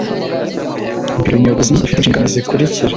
Biro Nyobozi ifite inshingano zikurikira